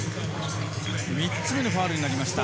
３つ目のファウルになりました。